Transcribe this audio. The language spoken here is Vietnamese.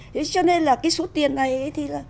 thế cho nên là cái số tiền này thì là